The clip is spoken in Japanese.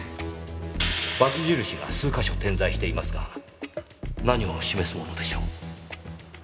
バツ印が数か所点在していますが何を示すものでしょう？